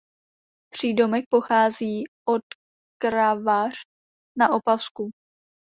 Přídomek pochází od Kravař na Opavsku.